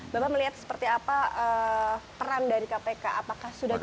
bapak melihat seperti apa peran dari kpk apakah sudah cukup